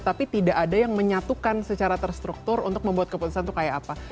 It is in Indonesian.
tapi tidak ada yang menyatukan secara terstruktur untuk membuat keputusan itu kayak apa